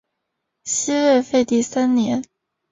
西魏废帝三年。